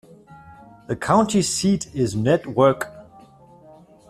The county seat is Network.